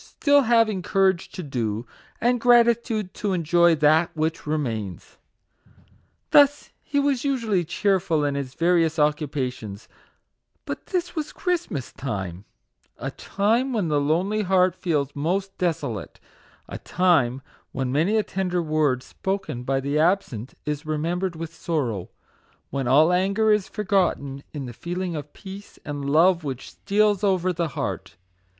still having courage to do, and gratitude to en joy that which remains. Thus, he was usually cheerful in his various occupations; but this was Christmas time : a time when the lonely heart feels most desolate a time when many a tender word spoken by the absent is remembered with sorrow when all anger is forgotten in the feeling of peace and love which steals over the heart.